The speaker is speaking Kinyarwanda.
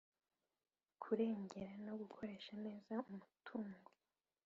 Kurengera no gukoresha neza umutungo